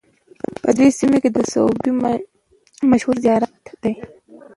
په همدې سیمه کې د سوبۍ مشهور زیارت